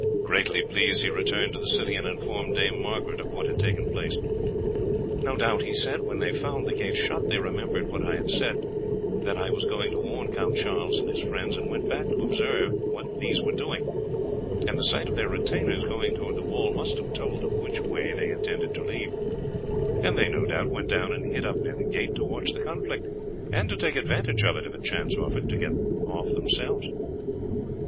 Greatly pleased, he returned to the city and informed Dame Margaret of what had taken place. "No doubt," he said, "when they found the gates shut they remembered what I had said, that I was going to warn Count Charles and his friends, and went back to observe what these were doing; and the sight of their retainers going towards the gate must have told them which way they intended to leave; and they, no doubt, went down and hid up near the gate to watch the conflict, and to take advantage of it, if a chance offered, to get off themselves."